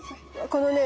このね。